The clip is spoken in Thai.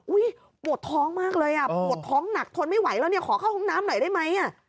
อุ้ยปวดท้องมากเลยปวดท้องหนักทนไม่ไหวแล้วขอเข้า้องน้ำหน่อยได้ไหม